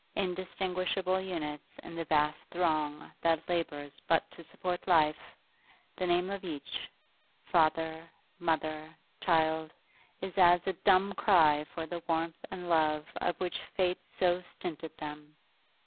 Indistinguishable units in the vast throng that labours but to support life, the name of each, father, mother, child, is as a dumb cry for the warmth and love of which Fate so stinted them.